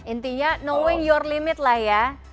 intinya knowing your limit lah ya